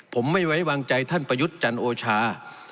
ผมไม่ไว้วางใจท่านประยุทธ์จันโอชา